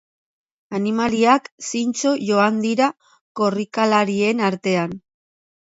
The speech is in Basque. Animaliak zintzo joan dira korrikalarien artean.